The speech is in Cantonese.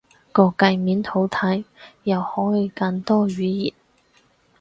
個介面好睇，又可以揀多語言